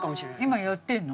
今やってるの？